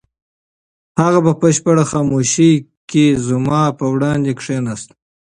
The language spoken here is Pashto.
هغه په بشپړه خاموشۍ کې زما په وړاندې کښېناسته.